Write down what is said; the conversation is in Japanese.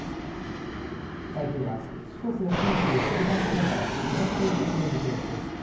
台風は四国や近畿を横断しながら東へ進む見通しです。